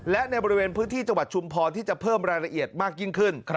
และในบริเวณพื้นที่จังหวัดชุมพรที่จะเพิ่มรายละเอียดมากยิ่งขึ้น